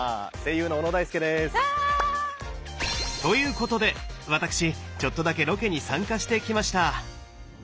声優のということで私ちょっとだけロケに参加してきました！